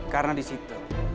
karena di situ